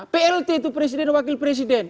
plt itu presiden wakil presiden